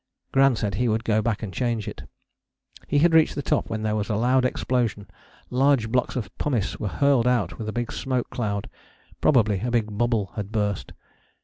Gran said he would go back and change it. He had reached the top when there was a loud explosion: large blocks of pumice were hurled out with a big smoke cloud; probably a big bubble had burst.